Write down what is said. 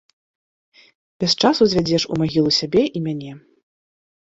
Без часу звядзеш у магілу сябе і мяне.